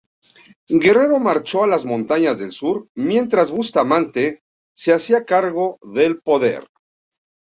Guerrero marchó a las montañas del Sur, mientras Bustamante se hacía cargo del poder.